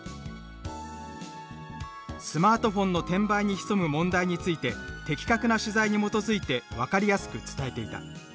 「スマートフォンの転売に潜む問題について的確な取材に基づいて分かりやすく伝えていた」